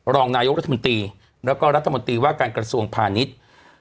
รองนายกรัฐมนตรีแล้วก็รัฐมนตรีว่าการกระทรวงพาณิชย์